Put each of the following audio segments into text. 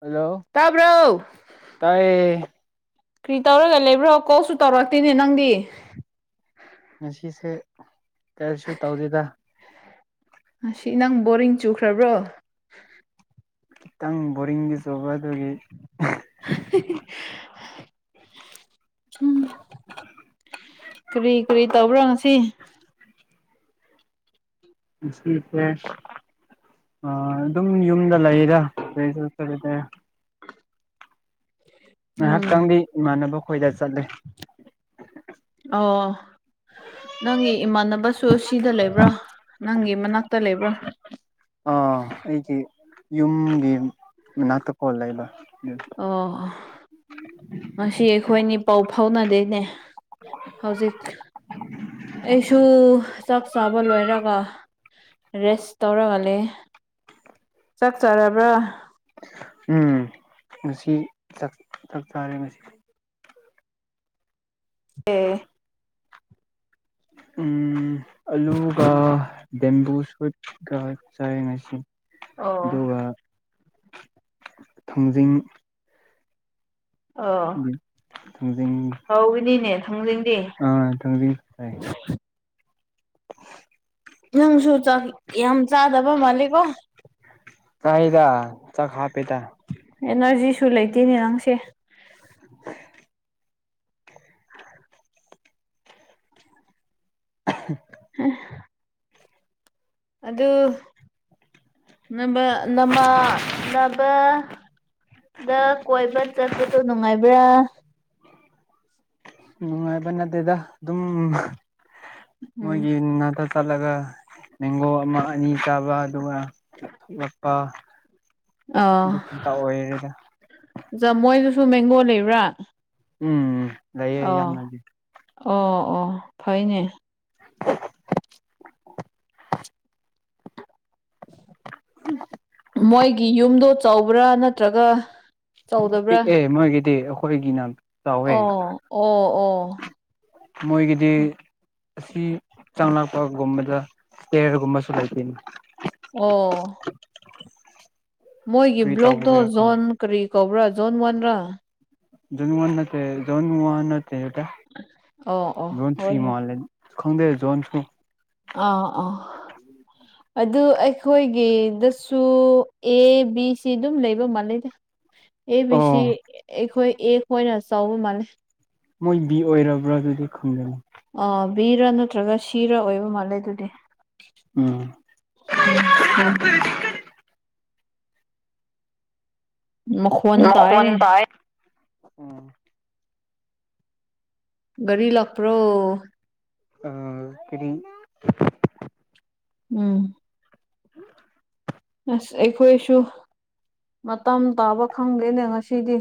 hello ꯇꯥꯕ꯭ꯔꯣ ꯇꯥꯏꯌꯦ ꯀ꯭ꯔꯤ ꯇꯧꯔꯒ ꯂꯩꯕ꯭ꯔꯣ ꯀꯣꯜꯁꯨ ꯇꯧꯔꯛꯇꯦꯅꯦ ꯅꯪꯗꯤ ꯈꯁꯤꯁꯦ ꯀꯩꯁꯨ ꯇꯧꯗꯦꯗ ꯉꯁꯤ ꯅꯪ ꯕꯣꯔꯤꯡ ꯆꯨꯈ꯭ꯔꯕ꯭ꯔꯣ ꯈꯤꯇꯪ ꯕꯣꯔꯤꯡꯗꯤ ꯆꯨꯕ ꯑꯗꯨꯒꯤ ꯎꯝ ꯀ꯭ꯔꯤ ꯀ꯭ꯔꯤ ꯇꯧꯕ꯭ꯔꯥ ꯉꯁꯤ ꯉꯁꯤꯁꯦ ꯑ ꯑꯗꯨꯝ ꯌꯨꯝꯗ ꯂꯩꯗꯥ ꯀꯔꯤꯁꯨ ꯇꯧꯗꯦ ꯎꯝ ꯉꯥꯏꯍꯥꯛꯇꯪꯗꯤ ꯏꯃꯥꯟꯅꯕ ꯈꯣꯏꯗ ꯆꯠꯂꯦ ꯑꯣ ꯅꯪꯒꯤ ꯏꯃꯥꯟꯅꯕꯁꯨ ꯁꯤꯗ ꯂꯩꯕ꯭ꯔꯣ ꯅꯪꯒꯤ ꯃꯅꯥꯛꯇ ꯂꯩꯕ꯭ꯔꯥ ꯑꯥ ꯑꯩꯒꯤ ꯌꯨꯝꯒꯤ ꯃꯅꯥꯛꯇ ꯀꯣ ꯂꯩꯕ ꯑꯣ ꯉꯁꯤ ꯑꯩꯈꯣꯏꯅꯤ ꯄꯥꯎ ꯐꯥꯎꯅꯗꯦꯅꯦ ꯍꯧꯖꯤꯛ ꯑꯩꯁꯨ ꯆꯥꯛ ꯆꯥꯕ ꯂꯣꯏꯔꯒ ꯔꯦꯁ ꯇꯧꯔꯒ ꯂꯩꯌꯦ ꯆꯥꯛ ꯆꯥꯔꯕ꯭ꯔꯥ ꯎꯝ ꯉꯁꯤ ꯆꯥꯛ ꯆꯥꯛꯆꯥꯔꯦ ꯉꯁꯤ ꯑꯦ ꯎꯝ ꯑꯂꯨꯒ ꯕꯦꯝꯕꯨ ꯁꯨꯠꯀ ꯆꯥꯏ ꯉꯁꯤ ꯑꯣ ꯑꯗꯨꯒ ꯊꯥꯡꯖꯤꯡ ꯑꯣ ꯊꯥꯡꯖꯤꯡ ꯍꯥꯎꯒꯅꯤꯅꯦ ꯊꯥꯡꯖꯤꯡꯗꯤ ꯑꯥ ꯊꯥꯡꯖꯤꯡ ꯆꯥꯏ ꯅꯪꯁꯨ ꯆꯥꯛ ꯌꯥꯝ ꯆꯥꯗꯕ ꯃꯥꯜꯂꯦꯀꯣ ꯆꯥꯢꯗ ꯆꯥꯛ ꯍꯥꯞꯄꯦꯗ ꯁꯨ ꯂꯩꯇꯦꯅꯦ ꯅꯪꯁꯦ [unintelligible] ꯑꯗꯨ [unintelligible] ꯗ ꯀꯣꯏꯕ ꯆꯠꯄꯗꯨ ꯅꯨꯡꯉꯥꯏꯕ꯭ꯔꯥ ꯅꯨꯡꯉꯥꯏꯕ ꯅꯗꯦꯗꯥ ꯑꯗꯨꯝ ꯎꯝ ꯃꯣꯏꯒꯤ ꯉꯥꯛꯇ ꯆꯠꯂꯒ ꯃꯦꯡꯒꯣ ꯑꯃ ꯑꯅꯤ ꯆꯥꯕ ꯑꯗꯨꯒ ꯊꯣꯛꯂꯛꯄ ꯑꯣ ꯑꯗꯨ ꯈꯛꯇ ꯑꯣꯏꯔꯦꯗ ꯖ ꯃꯣꯏꯗꯁꯨ ꯃꯦꯡꯒꯣ ꯂꯩꯕ꯭ꯔꯥ ꯎꯝ ꯂꯩꯌꯦ ꯑꯣ ꯌꯥꯝꯅꯗꯤ ꯑꯣ ꯑꯣ ꯐꯩꯅꯦ ꯃꯣꯏꯒꯤ ꯌꯨꯝꯗꯣ ꯆꯥꯎꯕ꯭ꯔꯥ ꯅꯠꯇ꯭ꯔꯒ ꯎꯝ ꯆꯥꯎꯗꯕ꯭ꯔꯥ ꯄꯤꯛꯑꯦ ꯃꯣꯏꯒꯤꯗꯤ ꯑꯩꯈꯣꯏꯒꯤꯅ ꯆꯥꯎꯋꯦ ꯑꯣ ꯑꯣ ꯑꯣ ꯃꯣꯏꯒꯤꯗꯤ ꯑꯁꯤ ꯆꯪꯂꯛꯄꯒꯨꯝꯕꯗ ꯆꯦꯌꯔꯒꯨꯝꯕꯁꯨ ꯂꯩꯇꯦꯅꯤ ꯑꯣ ꯃꯣꯏꯒꯤ ꯀꯔꯤ ꯕ꯭ꯂꯣꯛꯇꯣ ꯇꯧꯕꯒꯤꯔ ꯈꯪꯗꯦ ꯖꯣꯟ ꯀꯔꯤ ꯀꯧꯕ꯭ꯔꯥ ꯖꯣꯟ ꯋꯥꯟꯔꯥ ꯖꯣꯟ ꯋꯥꯟ ꯅꯠꯇꯦ ꯖꯣꯟꯟ ꯋꯥꯟ ꯅꯠꯇꯦ ꯗ ꯑꯣ ꯑꯣ ꯖꯣꯟꯟ ꯊ꯭ꯔꯤ ꯍꯣꯏ ꯍꯣꯏ ꯃꯜ ꯂꯦ ꯈꯪꯗꯦ ꯖꯣꯟꯁꯨ ꯑꯥ ꯑꯥ ꯑꯗꯨ ꯑꯩꯈꯣꯏꯒꯤꯗꯁꯨ ꯑꯦ ꯕꯤ ꯁꯤ ꯑꯗꯨꯝ ꯂꯩꯕ ꯃꯥꯜꯂꯦꯗ ꯑꯦ ꯕꯤ ꯁꯤ ꯑꯣ ꯑꯩꯈꯣꯏ ꯑꯦ ꯈꯣꯏꯅ ꯆꯥꯎꯕ ꯃꯥꯜꯂꯦ ꯃꯣꯏꯒꯤ ꯕꯤ ꯑꯣꯏꯔꯕ꯭ꯔꯥ ꯑꯗꯨꯗꯤ ꯈꯪꯒꯅꯤ ꯑ ꯕꯤꯔ ꯅꯠꯇ꯭ꯔꯒ ꯁꯤꯔ ꯑꯣꯏꯕ ꯃꯥꯜꯂꯦ ꯑꯗꯨꯗꯤ ꯎꯝ ꯎꯝ ꯃꯈꯣꯟ ꯅꯈꯣꯟ ꯇꯥꯏꯅꯦ ꯇꯥꯏ ꯒꯔꯤ ꯂꯛꯄ꯭ꯔꯣ ꯑ ꯀꯔꯤ ꯎꯝ ꯎ ꯑꯁ ꯑꯩꯈꯣꯏꯁꯨ ꯃꯇꯝ ꯇꯥꯕ ꯈꯪꯗꯦꯅꯦ ꯉꯁꯤꯗꯤ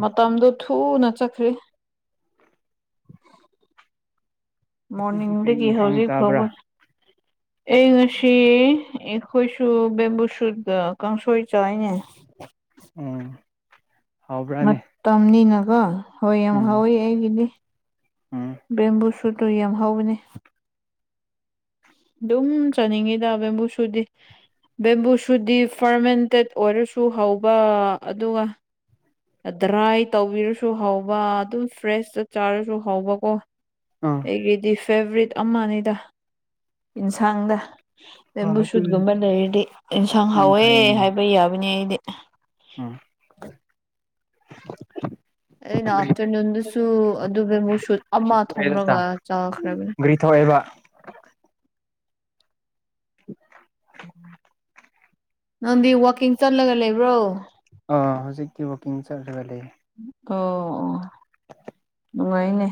ꯃꯇꯝꯗꯣ ꯊꯨꯅ ꯆꯠꯈ꯭ꯔꯦ ꯉꯁꯤꯗꯤ ꯀꯔꯤ ꯃꯣꯔꯅꯤꯡꯗꯒꯤ ꯏꯟꯁꯥꯡ ꯍꯧꯖꯤꯛ ꯆꯥꯕ꯭ꯔꯥ ꯐꯥꯎꯕ ꯑꯩ ꯉꯁꯤ ꯑꯩꯈꯣꯏꯁꯨ ꯕꯦꯝꯕꯨ ꯁꯠꯒ ꯀꯥꯡꯁꯣꯏ ꯆꯥꯏꯅꯦ ꯎꯝ ꯍꯥꯎꯕ꯭ꯔꯥꯅꯦ ꯃꯇꯝꯅꯤꯅꯀꯣ ꯍꯣꯏ ꯌꯥꯝ ꯎꯝ ꯍꯥꯎꯋꯦ ꯑꯩꯒꯤꯗꯤ ꯎꯝ ꯕꯦꯝꯕꯨꯁ ꯑꯗꯨꯗꯣ ꯌꯥꯝ ꯍꯧꯕꯅꯦ ꯑꯗꯨꯝ ꯆꯥꯅꯤꯡꯉꯤꯗ ꯕꯦꯝꯕꯨ ꯁꯨꯠꯗꯤ ꯕꯦꯝꯕꯨꯁꯨꯠ ꯗꯤ ꯐꯔꯃꯦꯟꯇꯦꯠ ꯑꯣꯏꯔꯁꯨ ꯍꯧꯕ ꯑꯗꯨꯒ ꯗ꯭ꯔꯥꯏ ꯇꯧꯕꯤꯔꯁꯨ ꯍꯥꯎꯕ ꯑꯗꯨꯝ ꯐ꯭ꯔꯦꯁꯇ ꯆꯥꯔꯁꯨ ꯍꯥꯎꯕꯀꯣ ꯑꯥ ꯑꯩꯒꯤꯗꯤ ꯐꯦꯚꯔꯤꯠ ꯑꯃꯅꯤꯗ ꯌꯦꯟꯁꯥꯡꯗ ꯑꯥ ꯕꯦꯝꯕꯨ ꯑꯗꯨꯗꯤ ꯁꯨꯠꯒꯨꯝꯕ ꯂꯩꯔꯗꯤ ꯏꯟꯁꯥꯡ ꯌꯥꯝ ꯍꯥꯎꯋꯦ ꯐꯩꯅꯦ ꯍꯥꯏꯕ ꯌꯥꯕꯅꯤ ꯑꯩꯗꯤ ꯎꯝ ꯑꯩꯅ ꯑꯥꯐꯇꯔꯅꯨꯟꯗꯁꯨ ꯑꯗꯨ ꯕꯦꯝꯕꯨ ꯁꯨꯠ ꯑꯃ ꯊꯣꯡꯉꯒ ꯆꯥꯈ꯭ꯔꯕꯅꯦ ꯄꯤꯊꯣꯛꯑꯦꯕ [inaudible] [inaudible] ꯎ [unintelligible] ꯅꯪꯗꯤ ꯋꯥꯛꯀꯤꯡ ꯆꯠꯂꯒ ꯂꯩꯕ꯭ꯔꯣ ꯑꯥ ꯍꯧꯖꯤꯛꯇꯤ ꯋꯥꯀꯤꯡ ꯆꯠꯂꯒ ꯂꯩ ꯑꯣ ꯑꯣ ꯅꯨꯡꯉꯥꯏꯅꯦ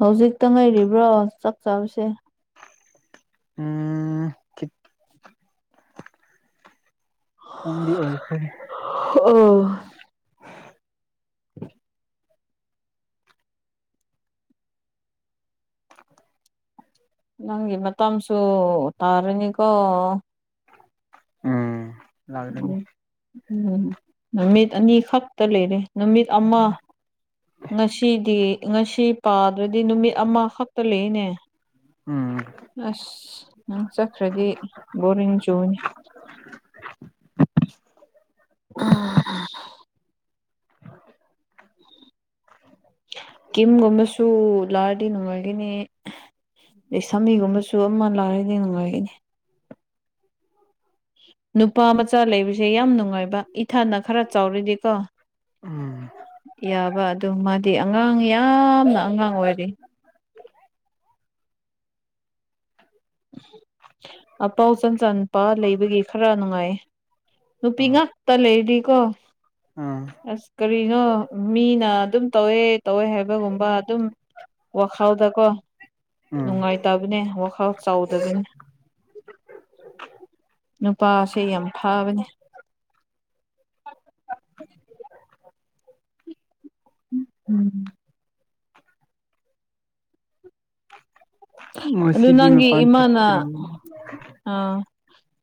ꯍꯧꯖꯤꯛꯇ ꯉꯥꯏꯔꯤꯕ꯭ꯔꯣ ꯆꯥꯛ ꯆꯥꯕꯁꯦ ꯎꯝ ꯈꯤꯠ ꯇꯪꯗꯤ ꯑꯣꯏꯈꯔꯦ ꯑꯣ ꯅꯪꯒꯤ ꯃꯇꯝꯁꯨ ꯇꯥꯔꯅꯤꯀꯣ ꯎꯝ ꯎꯝ ꯂꯥꯛꯒꯅꯤ ꯎꯝ ꯅꯨꯃꯤꯠ ꯑꯅꯤ ꯈꯛꯇ ꯂꯩꯔꯦ ꯅꯨꯃꯤꯠ ꯑꯃ ꯉꯁꯤꯗꯤ ꯉꯁꯤ ꯄꯥꯗ꯭ꯔꯗꯤ ꯅꯨꯃꯤꯠ ꯑꯃꯈꯛꯇ ꯂꯩꯅꯦ ꯎꯝ ꯑꯁ ꯅꯪ ꯆꯠꯈ꯭ꯔꯗꯤ ꯕꯣꯔꯤꯡ ꯆꯨꯅꯤ ꯑ ꯀꯤꯝꯒꯨꯝꯕꯁꯨ ꯂꯥꯛꯑꯗꯤ ꯅꯨꯡꯉꯥꯏꯒꯅꯤ ꯂꯩꯁꯥꯃꯤꯒꯨꯝꯕꯁꯨ ꯑꯃ ꯂꯥꯛꯑꯔꯗꯤ ꯅꯨꯡꯉꯥꯏꯒꯅꯤ ꯅꯨꯄꯥ ꯃꯆꯥ ꯂꯩꯕꯁꯦ ꯌꯥꯝ ꯅꯨꯡꯉꯥꯏꯕ ꯏꯊꯅ ꯈꯔ ꯆꯥꯎꯔꯤꯗꯤꯀꯣ ꯎꯝ ꯌꯥꯕ ꯑꯗꯨ ꯃꯥꯗꯤ ꯑꯉꯥꯡ ꯌꯥꯝꯅ ꯑꯉꯥꯡ ꯑꯣꯏꯦ ꯑꯄꯥꯎ ꯆꯟ ꯆꯥꯟꯄꯥ ꯂꯩꯕꯒꯤ ꯈꯔ ꯅꯨꯡꯉꯥꯏ ꯎꯝ ꯅꯄꯤꯒꯥꯛ ꯇꯂ ꯏꯗꯤ ꯀꯣ ꯎꯝ ꯑꯁ ꯀꯔꯤꯅꯣ ꯃꯤꯅ ꯑꯗꯨꯝ ꯇꯧꯋꯦ ꯇꯧꯋꯦ ꯍꯥꯏꯕꯒꯨꯝꯕ ꯑꯗꯨꯝ ꯋꯥꯈꯥꯎꯗꯀꯣ ꯎꯝ ꯅꯨꯡꯉꯥꯏꯇꯕꯅꯦ ꯋꯥꯈꯥꯎ ꯅꯨꯄꯥꯁꯦ ꯌꯥꯝ ꯐꯥꯕꯅꯦ [unintelligible] ꯎꯝ ꯑꯗꯨ ꯉꯁꯤꯗꯤ ꯅꯪꯒꯤ ꯃꯄꯥꯟ ꯏꯃꯥꯅ ꯊꯣꯛꯇ꯭ꯔꯣ ꯑ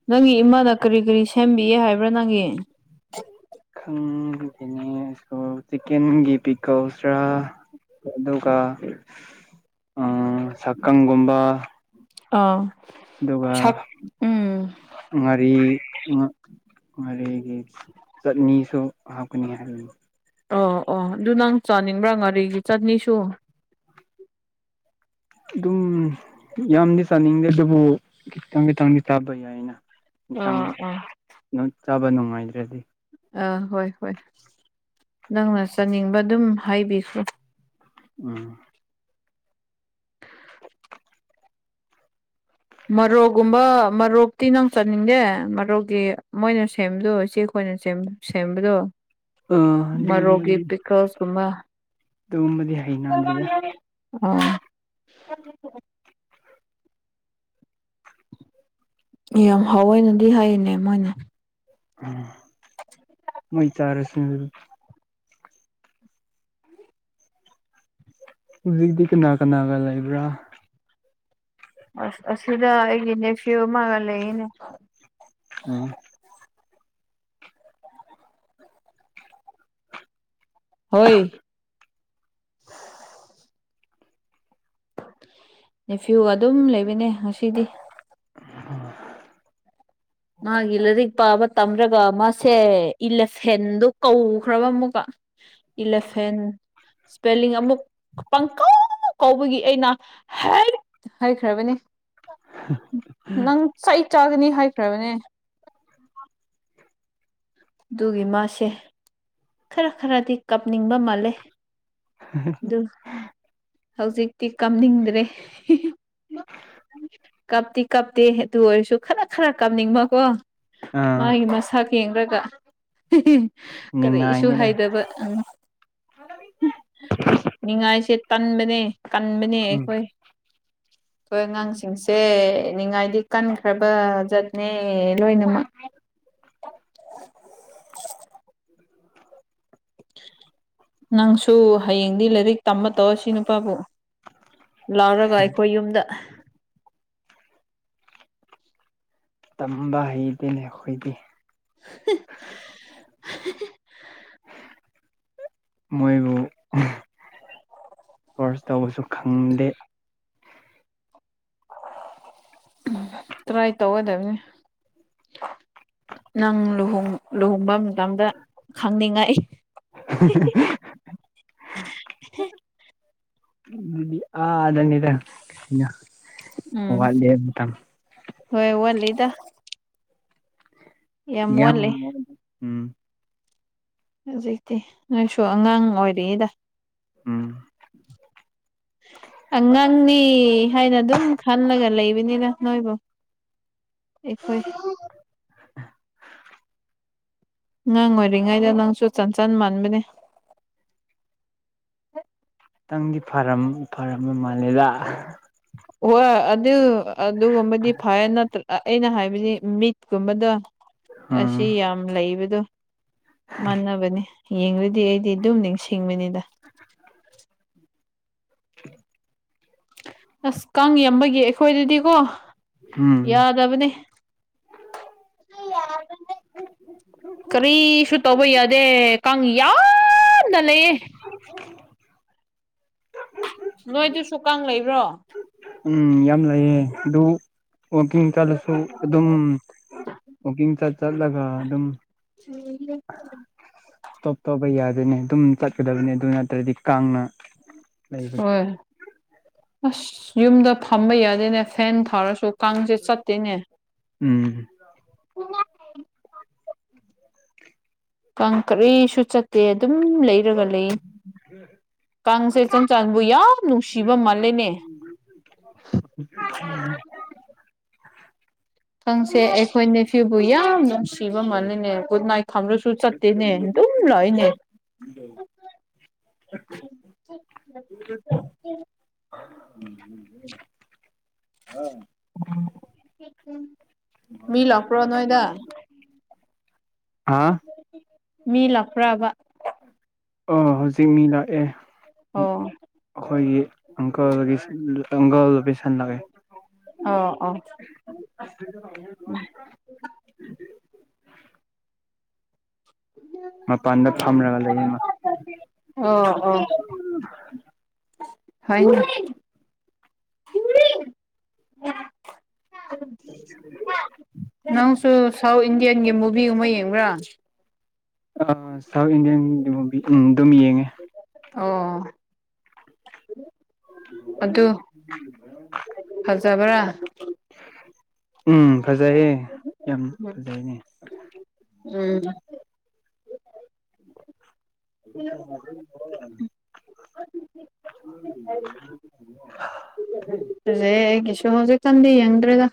ꯅꯪꯒꯤ ꯏꯃꯥꯅ ꯀꯔꯤ ꯀꯔꯤ ꯁꯦꯝꯕꯤꯌꯦ ꯍꯥꯏꯕ꯭ꯔꯥ ꯅꯪꯒꯤ [unintelligible] ꯆꯤꯛꯦꯟ ꯒꯤ ꯄꯤ ꯀꯧꯁ꯭ꯔꯥ ꯑꯗꯨꯒ ꯁꯛꯀꯪꯒꯨꯝꯕ ꯑꯥ ꯑꯗꯨꯒ ꯁꯛ ꯎꯝ ꯉꯥꯔꯤ ꯃꯔꯤꯒꯤ ꯆꯠꯅꯤꯁꯨ ꯍꯥꯞꯀꯅꯤ ꯍꯥꯏꯕꯅꯤ ꯑꯣ ꯑꯣ ꯑꯗꯨ ꯅꯪ ꯆꯥꯅꯤꯡꯕ꯭ꯔꯥ ꯉꯥꯔꯤꯒꯤ ꯆꯠꯅꯤꯁꯨ ꯑꯗꯨꯝ ꯌꯥꯝꯗꯤ ꯁꯥꯥꯅꯤꯡꯗꯦ ꯑꯗꯨꯕꯨ ꯈꯤꯇꯪ ꯈꯤꯇꯪꯗꯤ ꯆꯥꯕ ꯌꯥꯏꯅ ꯌꯦꯟꯁꯥꯡ ꯑꯥ ꯑꯥ ꯆꯥꯕ ꯅꯨꯡꯉꯥꯏꯗ꯭ꯔꯗꯤ ꯑꯥ ꯍꯣꯏ ꯍꯣꯏ ꯅꯪꯅ ꯆꯥꯅꯤꯡꯕ ꯑꯗꯨꯝ ꯍꯥꯏꯕꯤꯈꯣ ꯑꯥ ꯃꯔꯣꯛꯀꯨꯝꯕ ꯃꯔꯣꯛꯇꯤ ꯅꯪ ꯆꯠꯅꯤꯡꯗꯦ ꯃꯔꯣꯛꯀꯤ ꯃꯣꯏꯅ ꯁꯦꯝꯗꯣ ꯏꯆꯦ ꯈꯣꯏ ꯑꯩꯈꯣꯏꯅ ꯁꯦꯝꯕꯗꯣ ꯑꯥ ꯃꯔꯣꯛꯒꯤ ꯄꯤꯀꯜꯁꯀꯨꯝꯕ ꯑꯗꯨꯕꯗꯤ ꯍꯩꯅ ꯑꯗꯨꯗ ꯑꯣꯥ ꯌꯥꯝ ꯍꯥꯎꯋꯏꯅꯗꯤ ꯍꯅꯦ ꯃꯣꯏꯅ ꯎꯝ [unintelligible] ꯃꯣꯏ ꯆꯥꯔꯁꯨ ꯍꯧꯖꯤꯛꯇꯤ ꯀꯅꯥ ꯀꯅꯥꯒ ꯂꯩꯕ꯭ꯔꯥ ꯑꯁ ꯑꯁꯤꯗ ꯑꯩꯒꯤꯅꯦꯦꯛ ꯐꯌꯨ ꯑꯃꯒ ꯂꯩꯅꯦ ꯎꯝ ꯍꯣꯏ ꯅꯤꯐꯤꯌꯨ ꯑꯗꯨꯝ ꯂꯩꯕꯅꯦ ꯉꯁꯤꯗꯤ ꯍ ꯃꯥꯒꯤ ꯂꯥꯏꯔꯤꯛ ꯄꯥꯕ ꯇꯝꯗ꯭ꯔꯒ ꯃꯥꯁꯦ ꯏꯂꯦꯛꯁꯦꯟꯗꯣ ꯀꯧꯈ꯭ꯔꯕ ꯑꯃꯨꯛꯀ ꯏꯂꯦꯐꯦꯟ ꯏꯁꯄꯦꯂꯤꯡ ꯑꯃꯨꯛ ꯄꯪ ꯀꯧꯕꯒꯤ ꯑꯩꯅ ꯍꯥꯏ ꯍꯥꯏꯈ꯭ꯔꯕꯅꯦ ꯅꯪ ꯆꯥꯛ ꯆꯥꯒꯅꯤ ꯍꯥꯏꯈ꯭ꯔꯕꯅꯦ ꯑꯗꯨꯒꯤ ꯃꯥꯁꯦ ꯈꯔ ꯈꯔꯗꯤ ꯀꯥꯞꯅꯤꯡꯕ ꯃꯥꯜꯂꯦ ꯑꯗꯨ [unintelligible] ꯍꯧꯖꯤꯛꯇꯤ ꯀꯥꯝꯅꯤꯡꯗ꯭ꯔꯦ ꯀꯞꯇꯤ ꯀꯞꯇꯦ ꯑꯗꯨ ꯑꯣꯏꯔꯁꯨ ꯈꯔ ꯈꯔ ꯀꯞꯅꯤꯡꯕꯀꯣ ꯑꯥ ꯃꯥꯒꯤ ꯃꯁꯛ ꯌꯦꯡꯈ꯭ꯔꯒ ꯀꯔꯤꯁꯨ ꯅꯤꯡꯉꯥꯏꯅꯤꯗ ꯍꯥꯏꯗꯕ ꯎ ꯅꯤꯡꯉꯥꯏꯁꯦ ꯇꯟꯕꯅꯦ ꯀꯟꯕꯅꯦ ꯎꯝ ꯑꯩꯈꯣꯏ [unintelligible] ꯑꯩꯈꯣꯏ ꯑꯉꯥꯡꯁꯤꯡꯁꯦ ꯅꯤꯡꯉꯥꯏꯗꯤ ꯀꯟꯈ꯭ꯔꯕ ꯖꯠꯅꯦ ꯂꯣꯏꯅꯃꯛ [inaudible] ꯅꯪꯁꯨ ꯍꯌꯦꯡꯗꯤ ꯂꯥꯏꯔꯤꯛ ꯇꯝꯕ ꯇꯧꯔꯁꯤ ꯅꯨꯄꯥꯕꯨ ꯂꯥꯎꯔꯒ ꯑꯩꯈꯣꯏ ꯌꯨꯝꯗ ꯇꯝꯕ ꯍꯩꯗꯦꯅꯦ ꯑꯩꯈꯣꯏꯗꯤ [inaudible] ꯃꯣꯏꯕꯨ ꯀꯣꯔꯁ ꯇꯧꯕꯁꯨ ꯈꯪꯗꯦ ꯎꯝ ꯇ꯭ꯔꯥꯏ ꯇꯧꯒꯗꯕꯅꯦ ꯅꯪ ꯂꯨꯍꯣꯡ ꯂꯨꯍꯣꯡꯕ ꯃꯇꯝꯗ ꯈꯪꯅꯤꯡꯉꯥꯏ ꯑ ꯑꯗꯨ ꯅꯩꯅꯗ ꯎꯝ ꯍꯣꯏ ꯋꯥꯠꯂꯤꯗ ꯌꯥꯝ ꯎꯝ ꯍꯧꯖꯤꯛꯇꯤ ꯅꯣꯏꯁꯨ ꯑꯉꯥꯡ ꯑꯣꯏꯔꯤꯛꯏꯗ ꯎꯝ ꯑꯉꯥꯡꯅꯤ ꯍꯥꯏꯅ ꯑꯗꯨꯝ ꯈꯜꯂꯒ ꯂꯩꯕꯅꯤꯅ ꯅꯣꯏꯕꯨ ꯑꯩꯈꯣꯏ ꯑꯉꯥꯡ ꯑꯣꯏꯔꯤꯉꯩꯗ ꯅꯪꯁꯨ ꯆꯟꯆꯥꯟ ꯃꯥꯟꯕꯅꯦ ꯍ ꯈꯤꯇꯪꯗꯤ ꯐꯔꯝ ꯐꯔꯝꯃ ꯃꯥꯜꯂꯦꯗ ꯍꯣꯏ ꯑꯗꯨ ꯑꯗꯨꯒꯨꯝꯕꯗꯤ ꯐꯔ ꯅꯠꯇ꯭ꯔ ꯑꯩꯅ ꯍꯥꯏꯕꯗꯤ ꯃꯤꯠꯀꯨꯝꯕꯗ ꯎꯝ ꯑꯁꯤ ꯌꯥꯝ ꯂꯩꯕꯗꯣ ꯃꯥꯟꯅꯕꯅꯤ ꯌꯦꯡꯗꯤ ꯑꯩꯗꯤ ꯑꯗꯨꯝ ꯅꯤꯡꯁꯤꯡꯕꯅꯤꯗ [inaudible] ꯑꯁ ꯀꯥꯡ ꯌꯥꯝꯕꯒꯤ ꯑꯩꯈꯣꯏꯗꯗꯤꯀꯣ ꯎꯝ ꯌꯥꯗ ꯑꯗꯨꯕꯅꯤ ꯀꯔꯤ ꯁ ꯇꯣꯕꯗꯦ ꯀꯪꯉ ꯌꯥ ꯅ ꯂꯩꯌꯦꯦ ꯅꯣꯏꯗꯨꯁꯨꯀ ꯂꯩꯕ꯭ꯔꯣ ꯎꯝ ꯌꯥꯝ ꯂꯩꯑ ꯑꯗꯨ ꯋꯥꯛꯀꯤꯡ ꯆꯠꯂꯁꯨ ꯑꯗꯨꯝ ꯋꯀꯤꯡ ꯆꯠꯂꯒ ꯑꯗꯨꯝ ꯍ ꯇꯣꯞ ꯇꯣꯞꯄ ꯌꯥꯗꯣꯏꯅꯦ ꯑꯗꯨꯝ ꯆꯠꯀꯗꯕꯅꯦ ꯑꯗꯨ ꯅꯠꯇ꯭ꯔꯗꯤ ꯀꯥꯡꯅ ꯂꯩꯕꯅꯤ ꯍꯣꯏ ꯑꯁ ꯌꯨꯝꯗ ꯐꯝꯕ ꯌꯥꯗꯦꯅꯦ ꯐꯦꯟ ꯊꯥꯔꯁꯨ ꯀꯥꯡꯁꯦ ꯆꯠꯇꯦꯅꯦ ꯎꯝ ꯀꯥꯡ ꯀꯩꯁꯨ ꯆꯠꯇꯦ ꯑꯗꯨꯝ ꯂꯩꯔꯒ ꯂꯩ ꯀꯥꯡꯁꯦ ꯆꯟ ꯆꯥꯟꯕꯨ ꯌꯥꯝ ꯅꯨꯡꯁꯤꯕ ꯃꯥꯜꯂꯦꯅꯦ ꯌꯥ ꯈꯪꯁꯦ ꯑꯩꯈꯣꯏꯅ ꯐ꯭ꯌꯨꯕꯨ ꯌꯥꯝꯅ ꯁꯤꯕ ꯃꯥꯥꯟꯅꯤꯅꯦ ꯀꯅꯥꯏ ꯈꯝ꯭ꯔꯣ ꯁ ꯆꯠꯇꯅꯦ ꯑꯗꯨꯝ ꯂꯏꯅꯦ [inaudible] ꯎꯝ ꯎ ꯑ ꯃꯤ ꯂꯥꯛꯄ꯭ꯔꯣ ꯑ ꯅꯣꯏꯗ ꯃꯤ ꯂꯞꯄ꯭ꯔꯕ ꯑ ꯍꯧꯖꯤꯛ ꯃꯤ ꯂꯥꯛꯑꯦ ꯑꯣ ꯑꯩꯈꯣꯏꯒꯤ ꯑꯪꯀꯜꯒꯤ ꯑꯪꯀꯜꯗꯨ ꯄꯁꯜꯂꯛꯑꯦ [inaudible] ꯑꯣ ꯑꯣ ꯃꯄꯥꯟꯗ ꯐꯝꯔꯒ ꯂꯩꯌꯦꯃ ꯑꯣ ꯍ ꯎ ꯅꯪꯁꯨ ꯁꯥꯎꯠ ꯏꯟꯗꯤꯌꯥꯟꯒꯤ ꯃꯨꯚꯤ ꯑꯃ ꯌꯦꯡꯕ꯭ꯔꯥ ꯑ ꯁꯥꯎꯠ ꯏꯟꯗꯤꯌꯥꯟ ꯃꯨꯚ ꯎꯝ ꯑꯗꯨꯝ ꯌꯦꯡꯉꯦ ꯑꯣ ꯑꯗꯨ [inaudible] ꯐꯖꯕ꯭ꯔꯥ ꯎꯝ ꯐꯖꯩꯌꯦ ꯌꯥꯝ ꯐꯖꯩꯅꯦ ꯎꯝ ꯑꯗꯨ ꯎꯝ ꯣ ꯍꯧꯖꯤꯛꯛꯇꯝꯗꯤ ꯌꯦꯡꯗ꯭ꯔꯦꯒ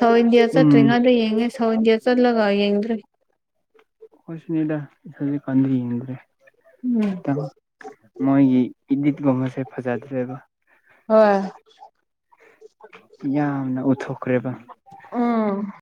ꯁꯥꯎꯠ ꯏꯟꯗꯤꯌꯥ ꯎꯝ ꯆꯠꯇ꯭ꯔꯤꯉꯥꯗ ꯌꯦꯡꯉꯦ ꯁꯥꯎꯠ ꯏꯟꯗꯤꯌꯥ ꯆꯠꯂꯒ ꯌꯦꯡꯗ꯭ꯔꯦ ꯈꯁꯅꯤ ꯏꯂ ꯀꯥꯟ꯭ꯔꯤ ꯌꯦꯟ꯭ꯔꯦ [unintelligible] ꯎꯝ ꯈꯤꯃꯣꯏꯒꯤ ꯏꯗꯤꯠꯀꯨꯝꯕꯁꯦ ꯐꯖꯗ꯭ꯔꯦꯕ ꯍꯣꯏ ꯌꯥꯝꯅ ꯎꯠꯊꯣꯛꯈ꯭ꯔꯦꯕ ꯎꯝ